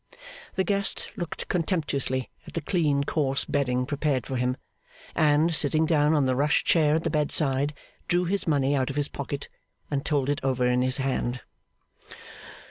The guest looked contemptuously at the clean coarse bedding prepared for him, and, sitting down on the rush chair at the bedside, drew his money out of his pocket, and told it over in his hand.